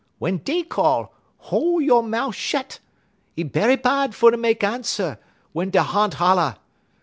Wun dey call, hol' you' mout' shet. 'E berry bahd fer mek answer, wun da' harnt holler.